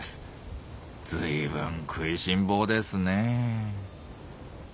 ずいぶん食いしん坊ですねえ。